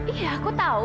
iya aku tau